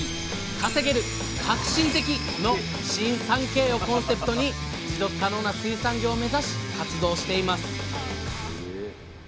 稼げる！革新的！」の新３Ｋをコンセプトに持続可能な水産業を目指し活動しています